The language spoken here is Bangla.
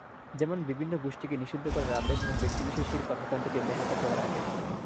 যেমন, বিভিন্ন গোষ্ঠীকে নিষিদ্ধ করার আদেশ এবং ব্যক্তিবিশেষের কর্মকাণ্ডকে ব্যাহত করার আদেশ।